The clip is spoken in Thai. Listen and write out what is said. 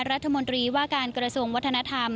รัฐมนตรีว่าการกระทรวงวัฒนธรรม